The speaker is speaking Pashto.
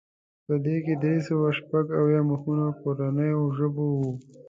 په دې کې درې سوه شپږ اویا مخونه کورنیو ژبو وو.